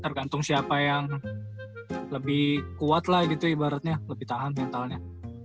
tergantung siapa yang lebih kuat lah gitu ibaratnya lebih tahan mentalnya